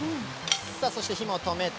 そして、火も止めて。